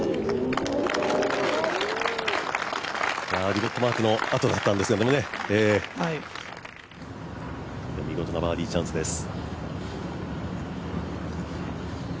ディボットマークのあとだったんですが、見事なバーディーチャンスです。